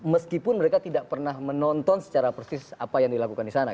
meskipun mereka tidak pernah menonton secara persis apa yang dilakukan di sana